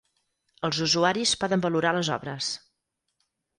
Els usuaris poden valorar les obres.